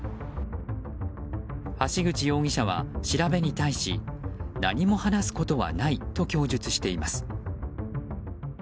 橋口容疑者は調べに対し何も話すことはないと供述しています。